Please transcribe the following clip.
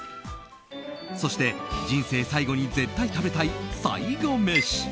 そして、人生最後に絶対食べたい最後メシ。